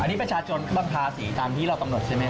อันนี้ประชาชนต้องทาสีตามที่เราตำหนดใช่มั้ยครับ